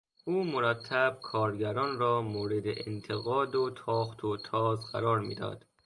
او مرتب کارگران را مورد انتقاد و تاخت و تاز قرار میداد.